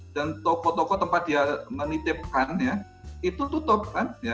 dan toko toko tempat dia menitipkan ya itu tutup kan